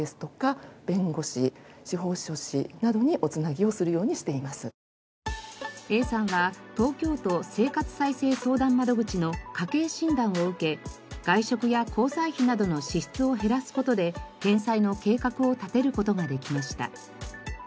その上でその方に適した窓口Ａさんは東京都生活再生相談窓口の家計診断を受け外食や交際費などの支出を減らす事で返済の計画を立てる事ができました。